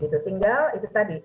tinggal itu tadi